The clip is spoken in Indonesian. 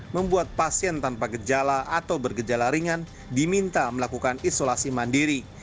membuat pasien tanpa gejala atau bergejala ringan diminta melakukan isolasi mandiri